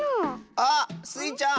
あっスイちゃん！